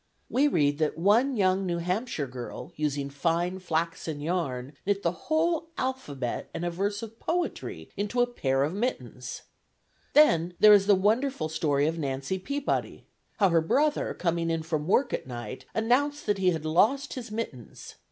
We read that one "young New Hampshire girl, using fine flaxen yarn, knit the whole alphabet and a verse of poetry into a pair of mittens!" Then there is the wonderful story of Nancy Peabody. How her brother, coming in from work at night, announced that he had lost his mittens.